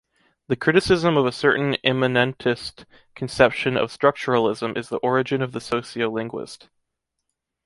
The criticism of a certain immanentist conception of structuralism is the origin of the sociolinguist.